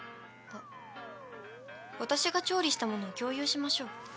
あっ私が調理した物を共有しましょう。